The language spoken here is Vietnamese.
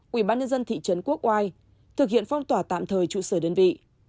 quỹ ban nhân dân thị trấn quốc oai thực hiện phong tỏa tạm thời trụ sở đơn vị